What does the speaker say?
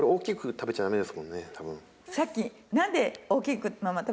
さっき。